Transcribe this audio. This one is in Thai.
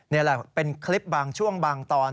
นี่แหละเป็นคลิปบางช่วงบางตอน